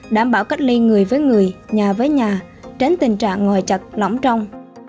đảm bảo cách ly người với người nhà với nhà tránh tình trạng ngòi chặt lỏng trong